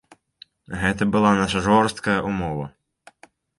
Гэта была наша жорсткая ўмова.